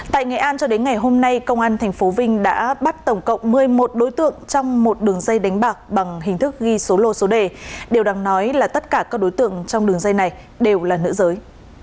tại nghệ an cho đến ngày hôm nay công an tp vinh đã bắt tổng cộng một mươi một đối tượng trong một đường dây đánh bạc bằng hình thức ghi số lô số đề điều đáng nói là tất cả các đối tượng trong đường dây này đều là nữ giới